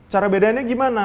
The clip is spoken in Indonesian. cara bedanya bagaimana